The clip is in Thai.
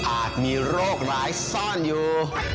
มีโรคร้ายซ่อนอยู่